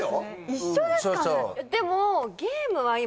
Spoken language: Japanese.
一緒ですかね？